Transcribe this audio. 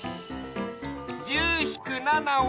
「１０ひく７」は？